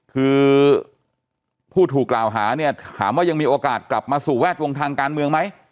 คือผู้ถูกกล่าวหาเนี่ยถามว่ายังมีโอกาสกลับมาสู่แวดวงทางการเมืองไหม